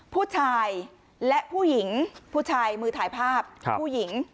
ผู้ชายและผู้หญิงผู้ชายมือถ่ายภาพผู้หญิง